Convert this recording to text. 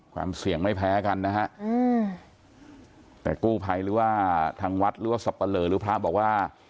ความเสี่ยงไม่แพ้กันนะฮะแต่กู้ภัยหรือว่าทางวัดหรือว่าสับปะเลอหรือพระบอกว่า